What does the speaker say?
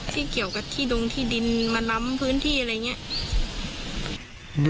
ที่เกี่ยวกับที่ดงที่ดินมาล้ำพื้นที่อะไรอย่างนี้